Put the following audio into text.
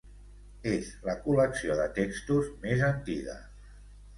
És la col·lecció de textos més antiga.